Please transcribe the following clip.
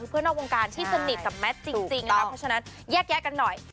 นอกวงการที่สนิทกับแมทจริงนะครับเพราะฉะนั้นแยกแยะกันหน่อย